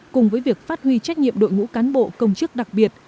cùng với việc phát huy trách nhiệm đội ngũ cán bộ công chức đặc biệt